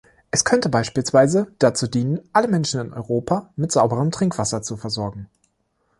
Es könnte beispielsweise dazu dienen, alle Menschen in Europa mit sauberem Trinkwasser zu versorgen.